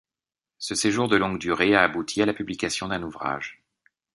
Ce séjour de longue durée a abouti à la publication d’un ouvrage.